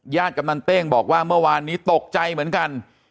กำนันเต้งบอกว่าเมื่อวานนี้ตกใจเหมือนกัน